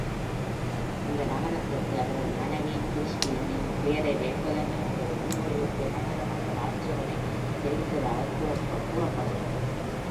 இந்த நகரத்திற்கு, அவரது மனைவி Kristine-ன் பெயரை வைப்பதன் அவரது முன்மொழிவுக்கு, நகர மக்கள் ஆட்சேபனை தெரிவித்ததாகக் கூறப்படுகிறது.